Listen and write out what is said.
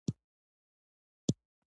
د تبې د دوام لپاره باید څه وکړم؟